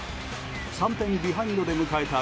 ３点ビハインドで迎えた